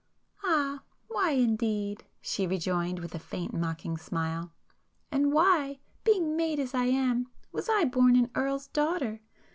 "Ah, why indeed!" she rejoined, with a faint mocking smile—"And why, being made as I am, was I born an Earl's daughter?